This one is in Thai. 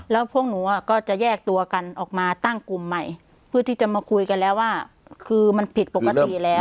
แล้วพวกหนูก็จะแยกตัวกันออกมาตั้งกลุ่มใหม่เพื่อที่จะมาคุยกันแล้วว่าคือมันผิดปกติแล้ว